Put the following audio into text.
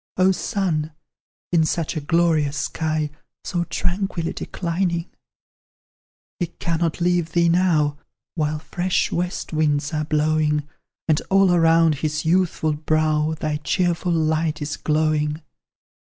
O Sun, in such a glorious sky, So tranquilly declining; He cannot leave thee now, While fresh west winds are blowing, And all around his youthful brow Thy cheerful light is glowing!